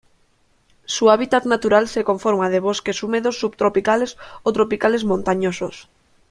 Su hábitat natural se conforma de bosques húmedos subtropicales o tropicales montañosos.